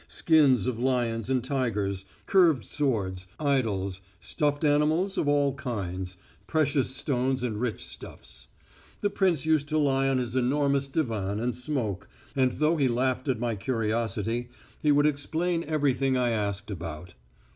Skins of lions and tigers, curved swords, idols, stuffed animals of all kinds, precious stones and rich stuffs. The prince used to lie on his enormous divan and smoke, and though he laughed at my curiosity he would explain everything I asked about.